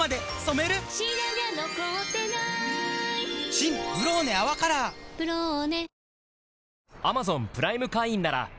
新「ブローネ泡カラー」「ブローネ」